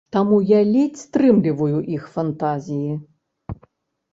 Таму я ледзь стрымліваю іх фантазіі.